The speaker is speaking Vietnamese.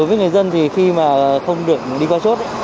với người dân thì khi mà không được đi qua chốt